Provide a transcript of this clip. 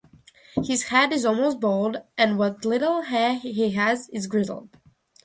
His head is almost bald and what little hair he has is grizzled.